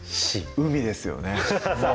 海ですよね